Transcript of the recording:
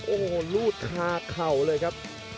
โอ้โหรูดคาเข่าเลยครับ